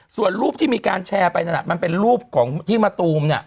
ส่วนรูปที่มีการแชร์ไปมันเป็นรูปที่มาตุ้มละ